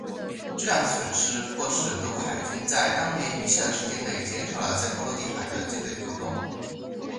这两次损失迫使德国海军在当年余下的时间内减少了在波罗的海的舰队活动。